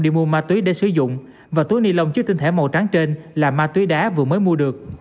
đi mua ma túy để sử dụng và túi ni lông chứa tinh thể màu trắng trên là ma túy đá vừa mới mua được